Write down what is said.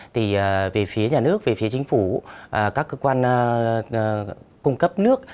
thì về phía nhà nước về phía chính phủ các cơ quan cung cấp nước